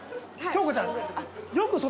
京子ちゃん。